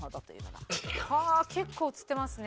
はあー結構映ってますね。